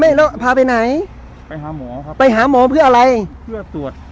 แล้วพาไปไหนไปหาหมอครับไปหาหมอเพื่ออะไรเพื่อตรวจ